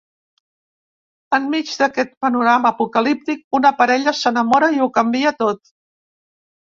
Enmig d’aquest panorama apocalíptic una parella s’enamora i ho canvia tot.